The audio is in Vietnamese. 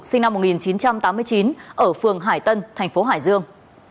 sinh năm một nghìn chín trăm tám mươi chín ở phường hải tân tp hải dương